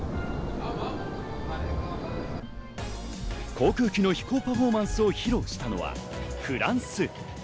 航空機の飛行パフォーマンスを披露したのはフランス。